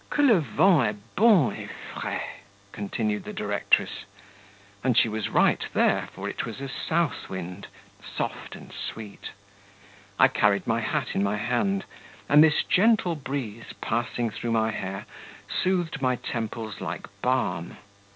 "Que le vent est bon et frais!" continued the directress; and she was right there, for it was a south wind, soft and sweet. I carried my hat in my hand, and this gentle breeze, passing through my hair, soothed my temples like balm.